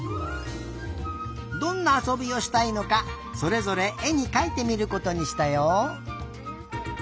どんなあそびをしたいのかそれぞれえにかいてみることにしたよ。